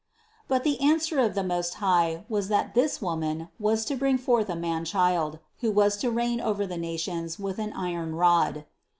But the answer of the most high Lord was that this Woman was to bring forth a Manchild, who was to reign over the nations with an iron rod.